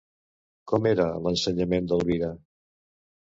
Com era l'ensenyament d'Elvira?